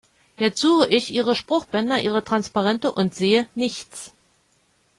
Jetzt suche ich ihre Spruchbänder, ihre Transparente und sehe nichts.